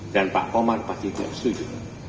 dan pak omar pasti tidak setuju